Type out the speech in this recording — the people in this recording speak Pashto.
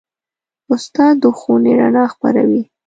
استاد د ښوونې رڼا خپروي.